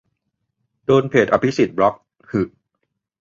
โดนเพจอภิสิทธิ์บล็อค หึ